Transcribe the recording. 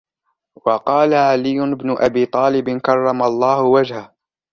وَقَالَ عَلِيُّ بْنُ أَبِي طَالِبٍ كَرَّمَ اللَّهُ وَجْهَهُ